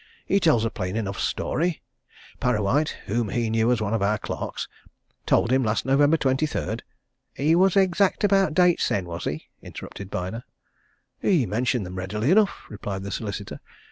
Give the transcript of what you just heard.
He tells a plain enough story. Parrawhite, whom he knew as one of our clerks, told him, last November 23rd " "He was exact about dates, then, was he?" interrupted Byner. "He mentioned them readily enough," replied the solicitor.